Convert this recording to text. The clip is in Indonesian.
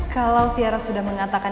kalau tiara sudah mengatakan